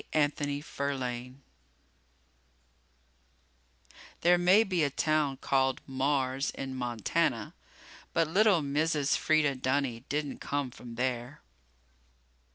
Anthony Ferlaine_ There may be a town called Mars in Montana. But little Mrs. Freda Dunny didn't come from there!